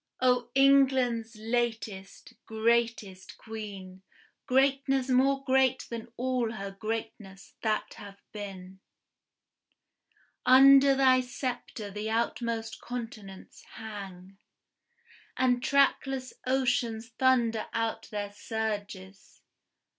O England's latest, greatest Queen, Greatness more great than all her greatness that hath been, Under thy sceptre the outmost continents hang, And trackless oceans thunder out their surges.